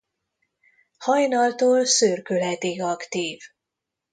Hajnaltól szürkületig aktív.